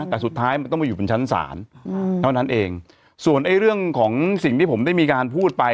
แต่สุดท้ายมันต้องไปอยู่บนชั้นศาลเท่านั้นเองส่วนไอ้เรื่องของสิ่งที่ผมได้มีการพูดไป